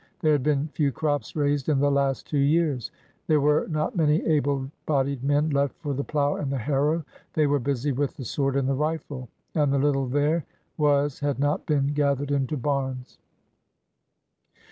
There had been few crops raised in the last two years ; there were not many able bodied men left for the plow and the harrow— they were busy with the sword and the rifle; and the little there was had not been gath ered into barns.